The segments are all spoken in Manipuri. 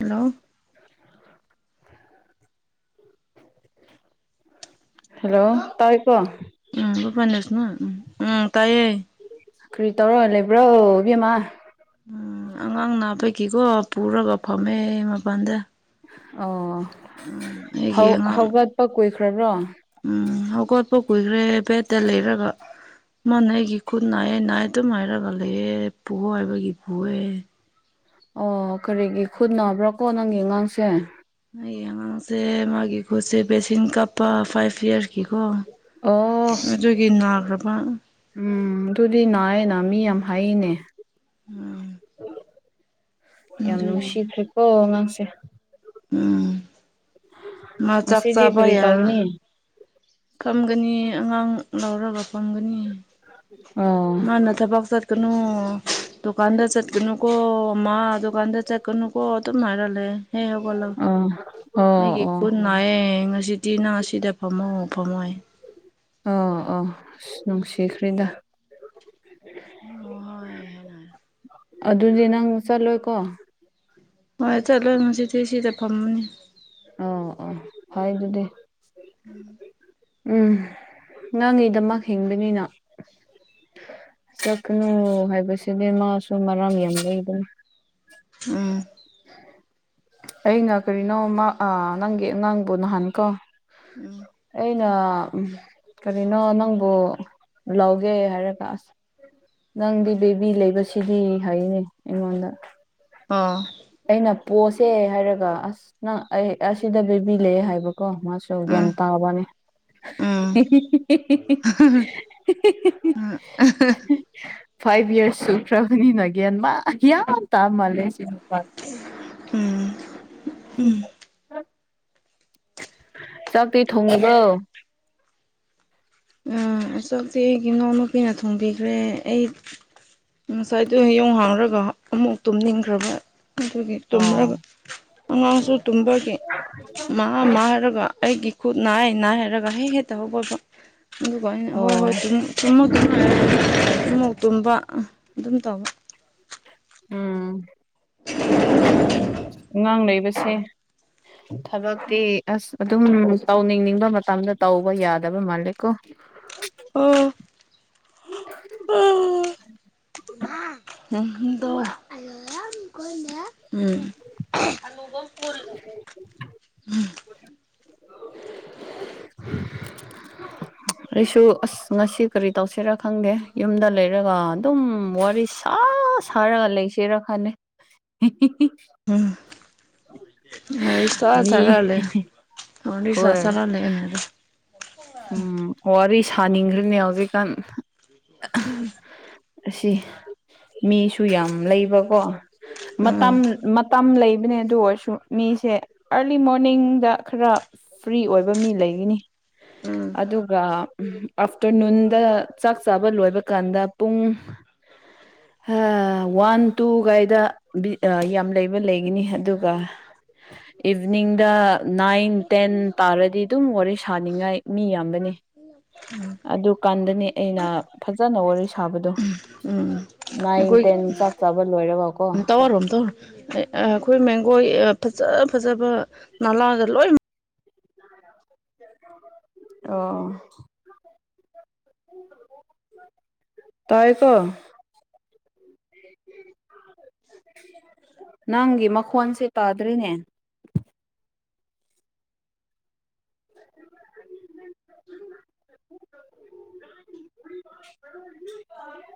ꯍꯜꯂꯣ ꯍꯜꯂꯣ ꯇꯥꯏꯀꯣ ꯎꯝ [unintelligible] ꯎꯝ ꯎꯝ ꯇꯥꯏꯌꯦ ꯀ꯭ꯔꯤ ꯇꯧꯔ ꯂꯩꯕ꯭ꯔꯣ ꯏꯕꯦꯝꯃꯥ ꯎꯝ ꯑꯉꯥꯡ ꯅꯥꯕꯒꯤꯀꯣ ꯄꯨꯔꯒ ꯐꯝꯃꯦ ꯃꯄꯥꯟꯗ ꯑꯣ ꯍꯧ ꯑꯩꯒꯤ ꯑꯉꯥꯡ ꯍꯧꯒꯠꯄ ꯀꯨꯏꯈ꯭ꯔꯕ꯭ꯔꯣ ꯎꯝ ꯍꯧꯒꯠꯄ ꯀꯨꯏꯈ꯭ꯔꯦ ꯕꯦꯠꯇ ꯂꯩꯔꯒ ꯃꯥꯅ ꯑꯩꯒꯤ ꯈꯨꯠ ꯅꯥꯏꯌꯦ ꯅꯥꯏꯌꯦ ꯑꯗꯨꯝ ꯍꯥꯏꯔꯒ ꯂꯩꯌꯦ ꯄꯨ ꯍꯥꯏꯕꯒꯤ ꯄꯨꯑꯦ ꯑꯣ ꯀꯔꯤꯒꯤ ꯈꯨꯠ ꯅꯥꯕ꯭ꯔꯥꯀꯣ ꯅꯪꯒꯤ ꯑꯉꯥꯡꯁꯦ ꯑꯩꯒꯤ ꯑꯉꯥꯡꯁꯦ ꯃꯥꯒꯤ ꯈꯨꯠꯁꯦ ꯕꯦꯁꯤꯟ ꯀꯥꯞꯄ ꯐꯥꯏꯚ ꯏꯌꯥꯔꯁꯀꯤꯀꯣ ꯑꯣ ꯑꯗꯨꯒꯤ ꯅꯥꯈ꯭ꯔꯕ ꯎꯝ ꯑꯗꯨꯗꯤ ꯅꯥꯏꯌꯦꯅ ꯃꯤ ꯌꯥꯝ ꯍꯥꯏꯅꯦ ꯎꯝ ꯌꯥꯝ ꯑꯗꯨꯒꯤ ꯅꯨꯡꯁꯤꯈ꯭ꯔꯦꯀꯣ ꯑꯉꯥꯡꯁꯦ ꯎꯝ ꯃꯥ ꯆꯥꯛ ꯉꯁꯤꯗꯤ ꯆꯥꯕ ꯀꯔꯤ ꯌꯥꯔ ꯇꯧꯒꯅꯤ ꯐꯝꯒꯅꯤ ꯑꯉꯥꯡ ꯂꯧꯔꯒ ꯐꯝꯒꯅꯤ [unintelligible] ꯃꯥꯅ ꯊꯕꯛ ꯆꯠꯀꯅꯨ ꯗꯨꯀꯥꯟꯗ ꯆꯠꯀꯅꯨ ꯀꯣ ꯃꯥ ꯗꯨꯀꯥꯟꯗ ꯆꯠ ꯀꯅꯨꯀꯣ ꯑꯗꯨꯝ ꯍꯥꯏꯔ ꯂꯩꯍꯦ ꯍꯦꯛ ꯍꯧꯒꯠꯂ ꯑꯣ ꯑꯣ ꯑꯣ ꯑꯩꯒꯤ ꯀꯨꯟ ꯅꯥꯏꯌꯦ ꯉꯁꯤꯗꯤ ꯅꯪ ꯑꯁꯤꯗ ꯐꯝꯃꯣ ꯐꯝꯃꯣ ꯍꯥꯏ ꯑꯣ ꯑꯣ ꯅꯨꯡꯁꯤꯈ꯭ꯔꯦꯗ [unintelligible] ꯑꯗꯨꯗꯤ ꯅꯪ ꯆꯠꯂꯣꯏꯀꯣ ꯍꯣꯏ ꯆꯠꯂꯣꯏ ꯉꯁꯤꯗꯤ ꯁꯤꯗ ꯐꯝꯃꯅꯤ ꯑꯣ ꯑꯣ ꯐꯩ ꯑꯗꯨꯗꯤ꯫ [unintelligible] ꯅꯪꯒꯤꯗꯃꯛ ꯍꯤꯡꯕꯅꯤꯅ꯫ ꯆꯠꯀꯅꯨ ꯍꯥꯏꯕꯁꯤꯗꯤ ꯃꯥꯁꯨ ꯃꯔꯝ ꯌꯥꯝ ꯂꯩꯕꯅꯤ꯫ ꯎꯝ ꯑꯩꯅ ꯀꯔꯤꯅꯣꯃ ꯑꯥ ꯪꯪꯒꯤ ꯑꯉꯥꯡꯕꯨ ꯅꯍꯥꯟ ꯀꯣ꯫ ꯎꯝ ꯑꯩꯅ ꯎꯝ ꯀꯔꯤꯅꯣ ꯅꯪꯕꯨ ꯂꯧꯒꯦ ꯍꯥꯏꯔꯒ ꯑꯁ꯫ ꯅꯪꯗꯤ ꯕꯦꯕꯤ ꯂꯩꯕꯁꯤꯗꯤ ꯍꯥꯏꯅꯦ ꯑꯩꯉꯣꯟꯗ꯫ ꯑꯣ ꯑꯩꯅ ꯄꯣꯁꯦ ꯍꯥꯏꯔꯒ ꯑꯁ ꯅꯪ ꯑꯩ ꯑꯁꯤꯗ ꯕꯦꯕꯤ ꯂꯩ ꯍꯥꯏꯕꯀꯣ ꯃꯥꯁ ꯇꯨ ꯒ꯭ꯌꯥꯟ ꯎꯝ ꯇꯥꯎꯕꯅꯦ ꯎꯝ [unintelligible] [unintelligible] ꯐꯥꯏꯚ ꯏꯌꯥꯔꯁ ꯁꯨꯈ꯭ꯔꯕꯅꯤꯅ ꯒ꯭ꯌꯥꯟ ꯃ ꯌꯥꯝ ꯇꯥ ꯃꯥꯜꯂꯦ ꯁꯤ ꯅꯨꯄꯥ꯫ ꯎꯝ [unintelligible] ꯆꯥꯛꯇꯤ ꯊꯣꯡꯉꯕ꯭ꯔꯣ꯫ ꯎꯝ ꯆꯥꯛꯇꯤ ꯑꯩꯒꯤ ꯏꯅꯥꯎꯅꯨꯄꯤꯅ ꯊꯣꯡꯕꯤꯈ꯭ꯔꯦ ꯑꯩ ꯉꯁꯥꯏꯗꯨ ꯌꯨꯡ ꯍꯥꯡꯔꯒ ꯑꯃꯨꯛ ꯇꯨꯝꯅꯤꯡꯈ꯭ꯔꯕ꯫ ꯑꯗꯨꯒꯤ ꯑꯣ ꯇꯨꯝꯔꯒ ꯑꯉꯥꯡꯁꯨ ꯇꯨꯝꯕꯒꯤ ꯃꯥ ꯃꯥ ꯃꯥ ꯍꯥꯏꯔꯒ ꯑꯩꯒꯤ ꯈꯨꯠ ꯅꯥꯑꯦ-ꯅꯥꯑꯦ ꯍꯥꯏꯔꯒ ꯍꯦ ꯍꯦꯠꯇ ꯍꯧꯒꯠꯄ꯫ ꯑꯗꯨꯒ ꯑꯩꯅ ꯍꯣꯏ ꯍꯣꯏ ꯑꯣ ꯇꯨꯝ ꯇꯨꯃꯛꯀꯅꯣ [unintelligible] ꯑꯃꯨꯛ ꯇꯨꯝꯕ ꯑꯗꯨꯝ ꯇꯧꯕ꯫ ꯎꯝ ꯑꯉꯥꯡ ꯂꯩꯕꯁꯦ꯫ ꯊꯕꯛꯇꯤ ꯑꯁ ꯑꯗꯨꯝ ꯇꯧꯅꯤꯡꯅꯤꯡꯕ ꯃꯇꯝꯗ ꯇꯧꯕ ꯌꯥꯗꯕ ꯃꯥꯜꯂꯦ ꯀꯣ꯫ [unintelligible] [unintelligible] [unintelligible] [inaudible] [inaudible] [unintelligible] ꯑꯩꯁꯨ ꯑꯁ ꯉꯁꯤ ꯀꯔꯤ ꯇꯧꯁꯤꯔꯥ ꯈꯪꯗꯦ ꯌꯨꯝꯗ ꯂꯩꯔꯒ ꯑꯗꯨꯝ ꯋꯥꯔꯤ ꯁꯥ ꯁꯥꯔꯒ ꯂꯩꯁꯤꯔꯥ ꯈꯅꯤ [unintelligible] ꯍꯝ ꯋꯥꯔꯤ ꯁꯥ ꯃꯤ ꯁꯥꯔꯥ ꯂꯩ ꯋꯥꯔꯤ ꯁꯥ ꯍꯣꯏ ꯁꯥꯔꯥ ꯂꯤꯌꯦꯅꯦ ꯑꯗꯨꯝ꯫ ꯎꯝ ꯋꯥꯔꯤ ꯁꯥꯅꯤꯡꯔꯤꯅꯦ ꯍꯧꯖꯤꯛꯀꯥꯟ꯫ [unintelligible] ꯑꯁꯤ ꯃꯤꯁꯨ ꯌꯥꯝ ꯂꯩꯕꯀꯣ ꯎꯝ ꯃꯇꯝ ꯃꯠ ꯇꯝ ꯂꯩꯕꯅꯦ ꯑꯗꯨ ꯑꯣꯏꯔꯁꯨ ꯃꯤꯁꯦ ꯑꯔꯂꯤ ꯃꯣꯔꯅꯤꯡꯗ ꯈꯔ ꯐ꯭ꯔꯤ ꯑꯣꯏꯕ ꯃꯤ ꯂꯩꯒꯅꯤ꯫ ꯎꯝ ꯑꯗꯨꯒ ꯑꯥꯐꯇ꯭ꯔꯅꯨꯟꯗ ꯆꯥꯛ ꯆꯥꯕ ꯂꯣꯏꯕ ꯀꯥꯟꯗ ꯄꯨꯡ [unintelligible] ꯍꯥ ꯋꯥꯟ ꯇꯨ ꯒꯥꯏꯗ ꯕꯤ ꯑ ꯌꯥꯝ ꯂꯩꯕ ꯂꯩꯒꯅꯤ ꯑꯗꯨꯒ꯫ ꯏꯚꯤꯟꯅꯤꯡꯗ ꯅꯥꯏꯟ ꯇꯦꯟ ꯇꯥꯔꯗꯤ ꯑꯗꯨꯝ ꯋꯥꯔꯤ ꯁꯥꯅꯤꯡꯉꯥꯏ ꯃꯤ ꯌꯥꯝꯕꯅꯤ꯫ [unintelligible] ꯑꯗꯨꯀꯥꯟꯗꯅꯦ ꯑꯩꯅ ꯐꯖꯟꯅ ꯋꯥꯔꯤ ꯁꯥꯕꯗꯣ꯫ ꯎꯝ ꯅꯥꯏꯟ ꯑꯩꯈꯣꯏꯒꯤ ꯇꯦꯟ ꯆꯥꯛ ꯆꯥꯕ ꯂꯣꯏꯔꯒꯀꯣ [unintelligible] ꯑꯩꯈꯣꯏ ꯑꯥ ꯃꯦꯝꯈꯣꯏ ꯐꯖꯥ ꯐꯖꯕ ꯃꯥꯅꯅꯥ ꯂꯣꯏꯝ [unintelligible] ꯑꯣ ꯄꯥꯏꯌꯨ ꯀꯣ ꯅꯪꯒꯤ ꯃꯈꯣꯟꯁꯦ ꯇꯥꯗꯔ꯭ꯦꯅꯦ [unintelligible]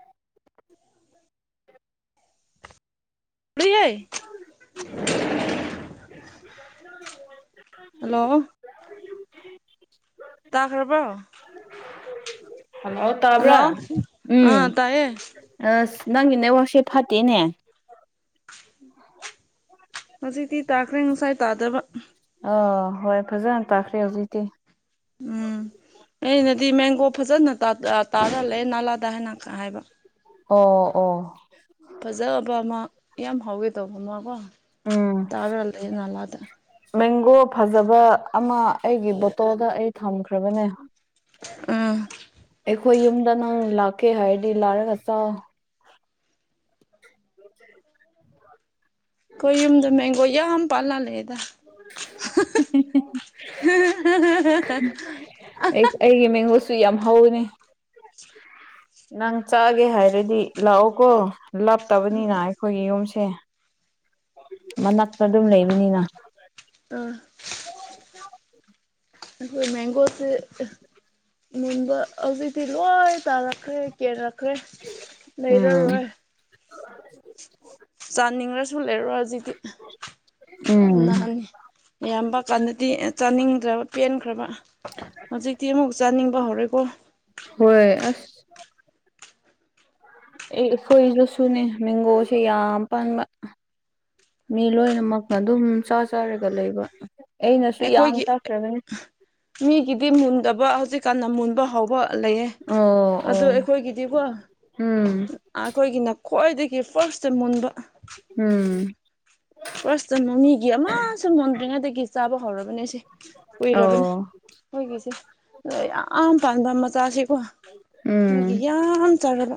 [unintelligible] [unintelligible] ꯍꯜꯂꯣ [unintelligible] ꯇꯥꯈ꯭ꯔꯕꯣ ꯍꯜꯂꯣ ꯇꯥꯕ꯭ꯔꯥ ꯍꯜꯂꯣ ꯎꯝ ꯑꯥ ꯇꯥꯏꯌꯦ ꯑꯁ ꯅꯪꯒꯤ ꯅꯦꯠꯋ꯭ꯥꯔꯛ ꯁꯦ ꯐꯠꯇꯦꯅꯦ ꯍꯧꯖꯤꯛꯇꯤ ꯇꯥꯈ꯭ꯔꯦ ꯉꯁꯥꯏ ꯇꯥꯗꯕ ꯑ ꯍꯣꯏ ꯐꯖꯅ ꯇꯥꯈ꯭ꯔꯦ ꯍꯧꯖꯤꯛꯇꯤ ꯎꯝ ꯑꯩꯅꯗꯤ ꯃꯦꯡꯒꯣ ꯐꯖꯅ ꯇꯥ ꯇꯥ ꯇꯥꯔꯥꯂꯩ ꯅꯥꯂꯥꯗ ꯍꯥꯏꯅ ꯈꯥ ꯍꯥꯏꯕ ꯑꯣ ꯑꯣ ꯐꯖꯕ ꯑꯃ ꯌꯥꯝ ꯍꯥꯎꯒꯦ ꯇꯧꯕ ꯑꯃꯀꯣ ꯎꯝ ꯇꯥꯔ ꯂꯩ ꯅꯥꯂꯥꯗ ꯃꯦꯡꯒꯣ ꯐꯖꯕ ꯑꯃ ꯑꯩꯒꯤ ꯕꯣꯇꯜꯗ ꯑꯩ ꯊꯝꯈ꯭ꯔꯥꯕꯅꯦ ꯑꯝ ꯑꯩꯈꯣꯏ ꯌꯨꯝꯗ ꯅꯪ ꯂꯥꯛꯀꯦ ꯍꯥꯏꯔꯗꯤ ꯂꯥꯛꯔꯒ ꯆꯥꯎ ꯑꯩꯈꯣꯏ ꯌꯨꯨꯝꯗ ꯃꯦꯡꯒꯣ ꯌꯥꯝ ꯄꯥꯜꯂꯥ ꯂꯩꯌꯦꯗ ꯑꯩ [unintelligible] ꯑꯩꯒꯤ ꯃꯦꯡꯒꯣꯁꯨ ꯌꯥꯝ ꯍꯥꯎꯋꯦꯅꯦ ꯅꯪ ꯆꯥꯒꯦ ꯍꯥꯏꯔꯗꯤ ꯂꯥꯛꯑꯣꯀꯣ ꯂꯥꯞꯇꯕꯅꯤꯅ ꯑꯩꯈꯣꯏꯒꯤ ꯌꯨꯝꯁꯦ ꯃꯅꯥꯛꯇ ꯑꯗꯨꯝ ꯂꯩꯕꯅꯤꯅ ꯑꯥ ꯑꯩꯈꯣꯏ ꯃꯦꯡꯒꯣꯁꯦ ꯃꯨꯟꯕ ꯍꯧꯖꯤꯛꯗꯤ ꯂꯣꯏ ꯇꯥꯔꯛꯈ꯭ꯔꯦ ꯀꯦꯔꯛꯈ꯭ꯔꯦ ꯎꯝ ꯂꯩꯔꯔꯣꯏ ꯆꯥꯅꯤꯡꯔ꯭ꯁꯨ ꯂꯩꯔꯔꯣꯏ ꯍꯧꯖꯤꯛꯇꯤ ꯎꯝ ꯅꯍꯥꯟ ꯌꯥꯝꯕ ꯀꯥꯟꯗꯗꯤ ꯆꯥꯅꯤꯡꯗ꯭ꯔꯕ ꯄꯦꯟꯈ꯭ꯔꯕ ꯍꯧꯖꯤꯛꯇꯤ ꯑꯃꯨꯛ ꯆꯥꯅꯤꯡꯕ ꯍꯧꯔꯦꯀꯣ ꯍꯣꯏ ꯑꯁ ꯑꯦ ꯑꯩꯈꯣꯏꯗꯨꯁꯨꯅꯦ ꯃꯦꯡꯒꯣꯁꯦ ꯌꯥꯝ ꯄꯥꯟꯕ ꯃꯤ ꯂꯣꯏꯅꯃꯛꯅ ꯑꯗꯨꯝ ꯆꯥ ꯆꯥꯔꯒ ꯂꯩꯕ ꯑꯩꯅꯁꯨ ꯌꯥꯝ ꯑꯩꯈꯣꯏꯒꯤ ꯆꯥꯈ꯭ꯔꯕꯅꯤ ꯃꯤꯒꯤꯗꯤ ꯃꯨꯟꯗꯕ ꯍꯧꯖꯤꯛꯀꯥꯟꯅ ꯃꯨꯟꯕ ꯍꯥꯎꯕ ꯂꯩꯌꯦ ꯑꯣ ꯑꯣ ꯑꯗꯣ ꯑꯩꯈꯣꯏꯒꯤꯗꯤꯀꯣ ꯎꯝ ꯑꯩꯈꯣꯏꯒꯤꯅ ꯈ꯭ꯋꯥꯏꯗꯒꯤ ꯐꯥꯔꯁꯇ ꯃꯨꯟꯕ ꯎꯝ ꯐꯥꯔꯁꯇ ꯃꯤꯒꯤ ꯑꯃꯁꯨ ꯃꯣꯟꯗ꯭ꯔꯤꯉꯩꯗꯒꯤ ꯆꯥꯕ ꯍꯧꯔꯕꯅꯦꯁꯦ ꯀꯨꯏꯔꯕꯅꯦ ꯑꯣ ꯑꯩꯈꯣꯏꯒꯤꯁꯦ ꯑꯗ ꯌꯥꯝ ꯄꯥꯟꯕ ꯃꯆꯥꯁꯤꯀꯣ ꯅꯣꯏꯒꯤ ꯎꯝ ꯌꯥꯝ ꯆꯥꯔꯕ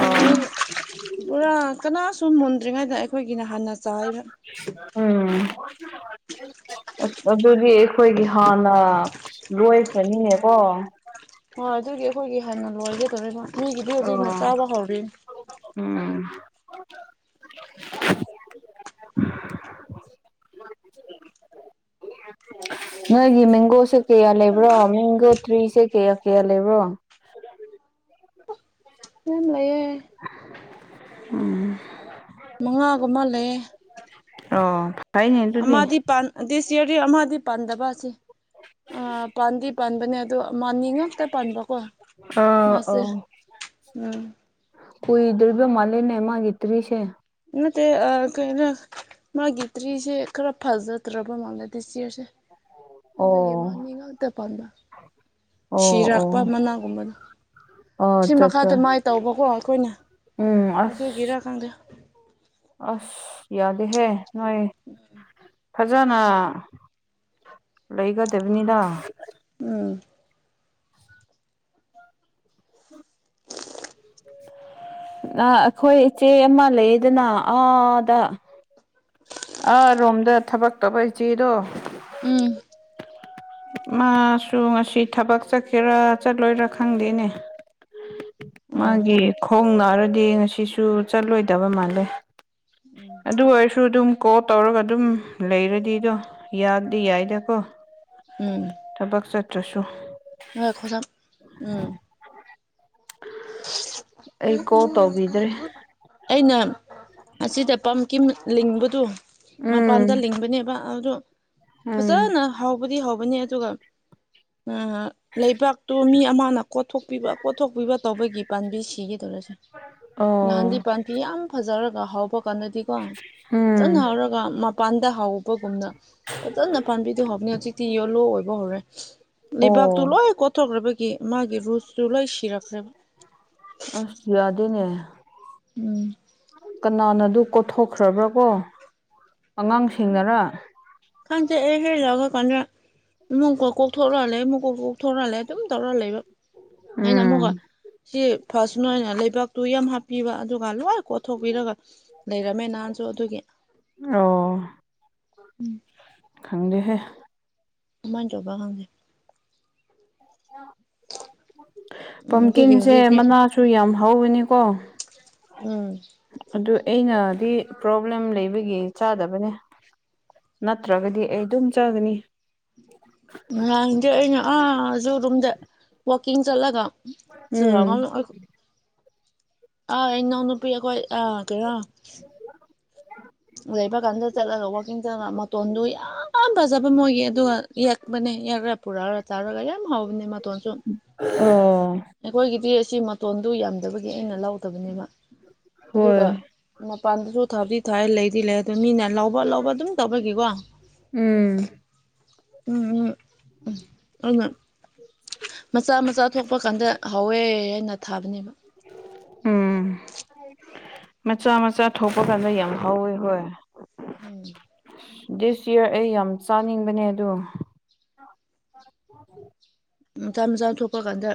ꯎ [unintelligible] ꯄꯨꯔꯥ ꯀꯅꯥꯁꯨ ꯃꯨꯟꯗ꯭ꯔꯤꯉꯩꯗ ꯑꯩꯈꯣꯏꯒꯤꯅ ꯍꯥꯟꯅ ꯆꯥꯏꯌꯦꯕꯥ ꯎꯝ ꯑ ꯑꯗꯨꯗꯤ ꯑꯩꯈꯣꯏꯒꯤ ꯍꯥꯟꯅ ꯂꯣꯏꯈ꯭ꯔꯅꯤꯅꯦꯀꯣ ꯍꯣꯏ ꯑꯗꯨꯒꯤ ꯑꯈꯣꯏꯒꯤ ꯍꯥꯟꯅ ꯂꯣꯏꯒꯗꯧꯔꯤꯕ ꯃꯤꯒꯤꯗꯤ ꯍꯧꯖꯤꯛꯅ ꯑꯣ ꯆꯥꯕ ꯍꯧꯔꯤꯅꯤ ꯎꯝ ꯅꯣꯏꯒꯤ ꯃꯦꯡꯒꯣꯁꯨ ꯀꯌꯥ ꯂꯩꯕ꯭ꯔꯣ ꯃꯤꯡꯒꯣ ꯇ꯭ꯔꯤꯁꯦ ꯀꯌꯥ ꯀꯌꯥ ꯂꯩꯕ꯭ꯔꯣ ꯃꯌꯥꯝ ꯂꯩꯌꯦ ꯎꯝ ꯃꯉꯥꯒꯨꯝꯕ ꯂꯩꯌꯦ ꯑꯣ ꯐꯩꯅꯦ ꯑꯗꯨꯗꯤ ꯑꯃꯗꯤ ꯄꯥꯟ ꯗꯤꯁ ꯏꯌꯔꯗꯤ ꯑꯃꯗꯤ ꯄꯥꯟꯗꯕ ꯑꯁꯤ ꯑ ꯄꯥꯟꯗꯤ ꯄꯥꯟꯕꯅꯦ ꯑꯗꯨ ꯃꯥꯅꯤ ꯉꯥꯛꯇ ꯄꯥꯟꯕꯀꯣ ꯑꯥ ꯃꯥꯁꯦ ꯑꯥ ꯎꯝ ꯀꯨꯏꯗ꯭ꯔꯤꯕ ꯃꯥꯂꯤꯅꯦ ꯃꯥꯒꯤ ꯇ꯭ꯔꯤꯁꯦ ꯅꯠꯇꯦ ꯑ ꯀꯩꯔ ꯃꯥꯒꯤ ꯇ꯭ꯔꯤꯁꯦ ꯈꯔ ꯐꯖꯗ꯭ꯔꯕ ꯃꯥꯜꯂꯦ ꯗꯤꯁ ꯏꯌꯔꯁꯦ ꯑꯗꯨꯒꯤ ꯑꯣ ꯃꯥꯅꯤ ꯉꯥꯛꯇ ꯄꯥꯟꯕ ꯑꯣ ꯑꯣ ꯁꯤꯔꯛꯄ ꯃꯅꯥꯒꯨꯝꯕꯅꯤ ꯑꯣ ꯁꯤ ꯑꯠꯆꯥ ꯑꯠꯆꯥ ꯃꯈꯥꯗ ꯃꯥꯏ ꯇꯧꯕꯀꯣ ꯑꯩꯈꯣꯏꯅ ꯎꯝ ꯑꯁ ꯑꯇꯨꯒꯤꯔꯥ ꯈꯪꯗꯦ ꯑꯁ ꯌꯥꯗꯦꯍꯦ ꯅꯣꯏ ꯐꯖꯅ ꯂꯩꯒꯗꯕꯅꯤꯗ ꯎꯝ ꯅ ꯑꯈꯣꯏ ꯏꯆꯦ ꯑꯃ ꯂꯩꯌꯦꯗꯅ ꯑꯥꯗ ꯑꯥ ꯔꯣꯝꯗ ꯊꯕꯛ ꯇꯧꯕ ꯏꯆꯦꯗꯣ ꯎꯝ ꯃꯥꯁꯨ ꯉꯁꯤ ꯊꯕꯛ ꯆꯠꯀꯦꯔꯥ ꯆꯠꯂꯣꯏꯔ ꯈꯪꯗꯦꯅꯦ ꯑꯣ ꯃꯥꯒꯤ ꯈꯣꯡ ꯅꯥꯔꯗꯤ ꯉꯁꯤꯁꯨ ꯆꯠꯂꯣꯏꯗꯕ ꯃꯥꯜꯂꯦ ꯑꯗꯨ ꯑꯣꯏꯔꯁꯨ ꯑꯗꯨꯝ ꯀꯣꯜ ꯇꯧꯔꯒ ꯑꯗꯨꯝ ꯂꯩꯔꯗꯤꯗꯣ ꯌꯥꯗꯤ ꯌꯥꯏꯗꯀꯣ ꯎꯝ ꯊꯕꯛ ꯆꯠꯇ꯭ꯔꯁꯨ ꯉꯥꯏꯈꯣꯖ ꯎꯝ ꯑꯩ ꯀꯣꯜ ꯇꯧꯕꯤꯗ꯭ꯔꯦ ꯑꯩꯅ ꯑꯁꯤꯗ ꯄꯝꯀꯤꯝ ꯂꯤꯡꯕꯗꯨ ꯎꯝ ꯃꯄꯥꯟꯗ ꯂꯤꯡꯕꯅꯦꯕ ꯑꯗꯨ ꯎꯝ ꯐꯖꯅ ꯍꯥꯎꯕꯗꯤ ꯍꯧꯕꯅꯤ ꯑꯗꯨꯒ ꯎꯝ ꯂꯩꯕꯥꯛꯇꯣ ꯃꯤ ꯑꯃꯅ ꯀꯣꯊꯣꯛꯄꯤꯕ ꯀꯣꯊꯣꯛꯄꯤꯕ ꯇꯧꯕꯒꯤ ꯄꯥꯟꯕꯤ ꯁꯤꯒꯗꯧꯔꯁꯦ ꯑꯣ ꯅꯍꯥꯟꯗꯤ ꯄꯥꯟ ꯐꯤ ꯌꯥꯝ ꯐꯖꯔꯒ ꯍꯥꯎꯕ ꯀꯥꯟꯗꯗꯤꯀꯣ ꯎꯝ ꯐꯖꯅ ꯍꯥꯎꯔꯒ ꯃꯄꯥꯟꯗ ꯍꯥꯎꯕꯒꯨꯝꯅ ꯐꯖꯅ ꯄꯥꯟꯕꯤꯗꯣ ꯍꯥꯎꯕꯅꯤ ꯍꯧꯖꯤꯛꯇꯤ ꯌꯦꯂꯣ ꯑꯣꯏꯕ ꯍꯧꯔꯦ ꯑꯣ ꯂꯩꯕꯥꯛꯇꯨ ꯂꯣꯏ ꯀꯣ ꯊꯣꯛꯈ꯭ꯔꯕꯒꯤ ꯃꯥꯒꯤ ꯔꯨꯁꯇꯨ ꯂꯩꯁꯤꯔ ꯈ꯭ꯔ ꯑꯁ ꯌꯥꯗꯦꯅꯦ [unintelligible] ꯀꯅꯥꯅ ꯑꯗꯨ ꯀꯣꯊꯣꯛꯈ꯭ꯔꯕ꯭ꯔꯥ ꯀꯣ ꯑꯉꯥꯡꯁꯤꯡꯅꯔ ꯈꯪꯗꯦ ꯑꯦ ꯍꯦꯂꯒ ꯀꯅ ꯏꯃꯨꯡꯀꯣ ꯀꯣꯛꯊꯣꯔ ꯂꯩꯝꯏ [unintelligible] ꯑꯗꯨꯝ ꯇꯧꯔ ꯂꯩꯕ ꯑꯩꯅ ꯑꯃꯨꯛꯀ ꯎꯝ ꯁꯤ ꯐꯥꯁꯅꯨ ꯍꯥꯏꯅ ꯂꯩꯕꯥꯛꯇꯨ ꯌꯥꯝ ꯍꯥꯞꯄꯤꯕ ꯑꯗꯨꯒ ꯂꯣꯏ ꯀꯣꯠꯊꯣꯛꯄꯤꯔꯒ ꯂꯩꯔꯝꯃꯦ ꯅꯍꯥꯟꯁꯨ ꯑꯗꯨꯒꯤ꯫ ꯑꯣ ꯎꯝ ꯈꯪꯗꯦꯍꯦ ꯀꯃꯥꯏꯟ ꯇꯧꯕꯔ꯭ꯥ ꯈꯪꯗꯦ ꯫ ꯎꯝ ꯑꯗꯨꯒꯤ ꯄꯝꯀꯤꯟꯁꯦ ꯍꯧꯖꯤꯛꯇꯤ ꯃꯅꯥꯁꯨ ꯌꯥꯝ ꯍꯧꯋꯅꯤꯀꯣ꯫ ꯎꯝ ꯑꯗꯨ ꯑꯩꯅꯗꯤ ꯄ꯭ꯔꯣꯕ꯭ꯂꯦꯝ ꯂꯩꯕꯒꯤ ꯆꯥꯗꯕꯅꯦ꯫ ꯅꯠꯇ꯭ꯔꯒꯗꯤ ꯑꯩ ꯗꯨꯝ ꯆꯒꯅꯤ꯫ ꯅꯍꯟꯖꯦ ꯑꯩꯅ ꯑꯥ ꯖꯨꯔꯨꯝꯗ ꯋꯥꯛꯀꯤꯡ ꯆꯠꯂꯒ ꯆꯨ [unintelligible] ꯎꯝ ꯑ ꯏꯅꯥꯎ ꯅꯨꯄꯤ ꯑꯈꯣꯏ ꯑꯥ ꯀꯔꯤꯔꯥ ꯫ ꯂꯩꯕ ꯀꯥꯟꯗ ꯆꯠꯂꯒ ꯋꯥꯛꯀꯤꯡ ꯆꯠ ꯃꯇꯣꯟꯗꯨ ꯌꯥꯝ ꯐꯖꯕ ꯃꯣꯏꯒꯤ ꯑꯗꯨꯑ ꯫ ꯌꯦꯛꯄꯅꯤ ꯌꯦꯛꯔ ꯄꯨꯔꯛꯔꯒ ꯆꯥꯔꯒ ꯌꯥꯝ ꯍꯥꯥꯎꯕꯅꯤ ꯃꯇꯣꯟꯁꯨ꯫ ꯑꯣ ꯑꯩꯈꯣꯏꯒꯤꯗꯤ ꯑꯁꯤ ꯃꯇꯣꯟꯗꯨ ꯌꯥꯝꯗꯕꯒꯤ ꯑꯩꯅ ꯂꯧꯗꯕꯅꯦꯕ ꯍꯣꯏ ꯑꯗꯨꯒ꯫ ꯃꯄꯥꯟꯗꯖꯨ ꯊꯥꯕꯗꯤ ꯊꯥꯏ ꯂꯩꯗꯤ ꯂꯩ ꯑꯗꯨ ꯃꯤꯅ ꯂꯧꯕ ꯂꯧꯕ ꯑꯗꯨꯝ ꯇꯧꯕꯒꯤꯒꯣ ꯫ ꯎꯝ ꯎꯝ ꯎꯝ ꯎꯝ ꯑꯩꯅ ꯫ ꯃꯆꯥ ꯃꯆꯥ ꯊꯣꯛꯄ ꯀꯥꯟꯗ ꯍꯥꯎꯋꯦ ꯑꯩꯅ ꯊꯥꯕꯅꯦꯕ ꯫ ꯎꯝ ꯃꯆꯥ ꯃꯆꯥ ꯊꯣꯛꯄ ꯀꯥꯟꯗ ꯌꯥꯝ ꯍꯧꯋꯦ ꯍꯣꯏ꯫ ꯎꯝ ꯗꯤꯁ ꯌꯔ ꯑꯩ ꯌꯥꯝ ꯆꯥꯅꯤꯡꯕꯅꯦ ꯑꯗꯣ ꯫ ꯃꯆꯥ ꯃꯆꯥ ꯊꯣꯛꯄ ꯀꯥꯟꯗ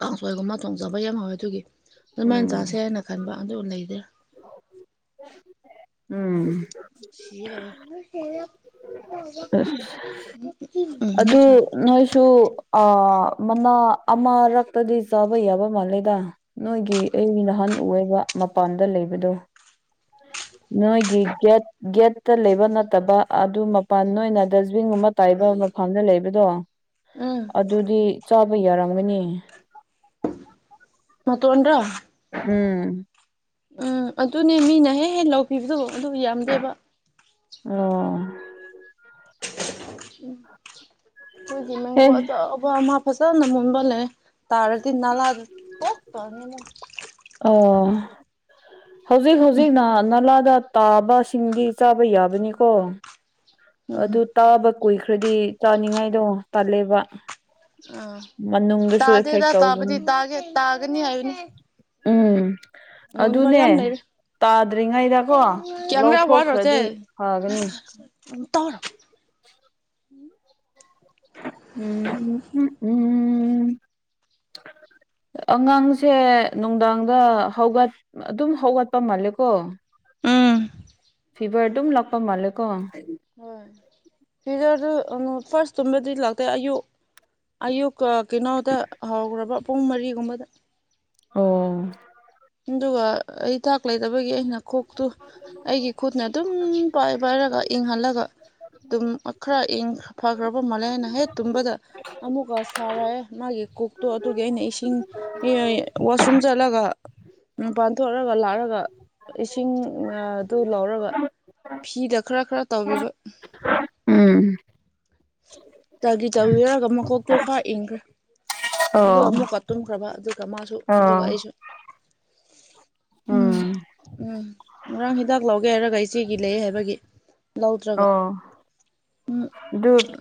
ꯀꯥꯡꯁꯣꯏꯒꯨꯝꯕ ꯊꯣꯡꯖꯕ ꯌꯥꯝ ꯍꯥꯎꯋꯦ ꯗꯨꯒꯤ ꯫ ꯗꯨꯃꯥꯏꯟ ꯎꯝ ꯆꯥꯁꯦ ꯍꯥꯏꯅ ꯈꯟꯕ ꯑꯗꯨ ꯂꯩꯗꯦ꯫ ꯎꯝ ꯁꯤꯒꯦ ꯇꯧꯋꯦ꯫ ꯎꯝ ꯑꯁ ꯑꯗꯨ ꯅꯣꯏꯁꯨ꯫ ꯑꯥ ꯃꯅꯥ ꯑꯃꯔꯛꯇꯗꯤ ꯆꯥꯕ ꯌꯥꯕ ꯃꯥꯜꯂꯦꯗ꯫ ꯅꯣꯏꯒꯤ ꯑꯩ ꯅꯍꯥꯟ ꯎꯋꯦꯕ ꯃꯄꯥꯟꯗ ꯂꯩꯕꯗꯣ꯫ ꯅꯣꯏꯒꯤ ꯒꯦꯠ ꯒꯦꯠꯇ ꯂꯩꯕ ꯅꯠꯇꯕ ꯑꯗꯨ ꯃꯄꯥꯟ ꯅꯣꯏꯅ ꯗꯁꯕꯤꯟꯒꯨꯝꯕ ꯇꯥꯏꯕ ꯃꯐꯝꯗ ꯂꯩꯕꯗꯣ꯫ ꯎꯝ ꯑꯗꯨꯗꯤ ꯆꯥꯕ ꯌꯥꯔꯝꯒꯅꯤ꯫ ꯃꯇꯣꯟꯗꯔ꯭ ꯫ ꯎꯝ ꯎꯝ ꯑꯗꯨꯅꯦ ꯃꯤꯅ ꯍꯦ ꯍꯦ ꯂꯧꯈꯤꯕꯗꯣ ꯑꯗꯨ ꯌꯥꯝꯗꯦꯕ꯫ ꯑꯣ ꯎꯝ ꯈꯣꯏꯒꯤ ꯃꯦꯡꯒꯣ ꯑꯦ ꯑꯆꯧꯕ ꯑꯃ ꯐꯖꯅ ꯃꯨꯟꯕ ꯂꯩꯌꯦ ꯫ ꯇꯥꯔꯗꯤ ꯅꯂꯥꯗ ꯇꯣꯛ ꯇꯥꯅꯤꯅꯥ ꯫ ꯑ ꯍꯧꯖꯤꯛ ꯍꯧꯖꯤꯛꯅ ꯅꯂꯥꯗ ꯇꯥꯕꯁꯤꯡꯗꯤ ꯆꯥꯕ ꯌꯥꯕꯅꯤꯀꯣ꯫ ꯎꯝ ꯑꯗꯨ ꯇꯥꯕ ꯀꯨꯏꯈ꯭ꯔꯗꯤ ꯆꯥꯅꯤꯡꯉꯥꯏꯗꯣ ꯇꯜꯂꯦꯕ꯫ ꯑ ꯃꯅꯨꯡꯗꯁꯨ ꯑꯦꯐꯦꯛ ꯇꯥꯗꯦꯗ ꯇꯥꯕꯗꯤ ꯇꯧꯕꯅꯤ ꯇꯥꯒꯦ ꯇꯥꯒꯅꯤ ꯍꯥꯏꯕꯅꯤ꯫ ꯎꯝ ꯃꯨꯟꯕ ꯑꯗꯨꯅꯦ꯫ ꯌꯥꯝ ꯂꯩꯔꯦ ꯇꯥꯗ꯭ꯔꯤꯉꯩꯗꯀꯣ ꯀꯌꯥꯝꯒ ꯋꯥꯔꯣꯁꯦ ꯂꯧꯊꯣꯛꯈ꯭ꯔꯗꯤ ꯐꯒꯅꯤ꯫ [unintelligible] [unintelligible] ꯑꯉꯥꯡꯁꯦ ꯅꯨꯡꯗꯥꯡꯗ ꯍꯧꯒꯠ ꯑꯗꯨꯝ ꯍꯧꯒꯠꯄ ꯃꯥꯜꯂꯦꯀꯣ꯫ ꯎꯝ ꯐꯤꯚꯔ ꯗꯨꯝ ꯂꯥꯛꯄ ꯃꯥꯂꯦꯀꯣ꯫ ꯍꯣꯏ ꯐꯤꯕꯔꯗꯨ ꯐꯥꯔꯁꯇꯨꯝꯕꯗꯤ ꯂꯥꯛꯇꯦ ꯑꯌꯨꯛ ꯑꯌꯨꯛꯀ ꯀꯩꯅꯣꯗ ꯍꯧꯈ꯭ꯔꯕ ꯄꯨꯡ ꯃꯔꯤꯒꯨꯝꯕꯗ ꯑꯣ ꯑꯗꯨꯒ ꯍꯤꯗꯥꯛ ꯂꯩꯇꯕꯒꯤ ꯑꯩꯅ ꯈꯣꯛꯇꯨ ꯑꯩꯒꯤ ꯈꯨꯠꯅ ꯑꯗꯨꯝ ꯄꯥꯏ ꯄꯥꯏꯔꯒ ꯏꯪꯍꯜꯂꯒ ꯇꯨꯝ ꯈꯔ ꯏꯪ ꯐꯈ꯭ꯔꯕ ꯃꯥꯜꯂꯦ ꯍꯥꯏꯅ ꯍꯦꯛ ꯇꯨꯝꯕꯗ ꯑꯃꯨꯛꯀ ꯁꯥꯔꯛꯑꯦ ꯃꯥꯒꯤ ꯀꯣꯛꯇꯣ ꯑꯗꯨꯒꯤ ꯑꯩꯅ ꯏꯁꯤꯡ ꯏ ꯋꯥꯁꯔꯨꯝ ꯆꯠꯂꯒ ꯃꯄꯥꯟ ꯊꯣꯛꯂꯒ ꯂꯥꯛꯔꯒ ꯏꯁꯤꯡꯅ ꯑꯗꯨ ꯂꯧꯔꯒ ꯐꯤꯗ ꯈꯔ ꯈꯔ ꯇꯧꯕꯤꯕ ꯎꯝ ꯇꯒꯤ ꯇꯧꯕꯤꯔꯒ ꯃꯀꯣꯛꯇꯣ ꯈꯔ ꯏꯪꯈ꯭ꯔꯦ ꯑꯗꯨꯒ ꯑꯣ ꯑꯃꯨꯛꯀ ꯇꯨꯝꯈ꯭ꯔꯕ ꯑꯗꯨꯒ ꯃꯥꯁꯨ ꯑꯣ ꯑꯗꯨꯒ ꯑꯩꯁꯨ ꯎꯝ ꯎꯝ ꯉꯔꯥꯡ ꯍꯤꯗꯥꯛ ꯂꯧꯒꯦ ꯍꯥꯏꯔꯒ ꯏꯆꯦꯒꯤ ꯂꯩ ꯍꯥꯏꯕꯒꯤ ꯂꯧꯗ꯭ꯔꯒ ꯑꯣ ꯗꯨꯞ